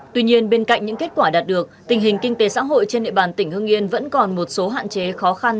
tuy nhiên bên cạnh những kết quả đạt được tình hình kinh tế xã hội trên địa bàn tỉnh hưng yên vẫn còn một số hạn chế khó khăn